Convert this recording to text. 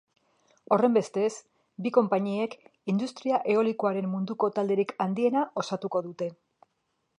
Horrenbestez, bi konpainiek industria eolikoaren munduko talderik handiena osatuko dute.